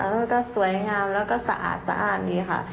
แล้วก็สวยงามแล้วก็สะอาดดีค่ะ